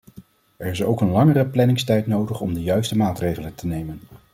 Er is ook een langere planningstijd nodig om de juiste maatregelen te nemen.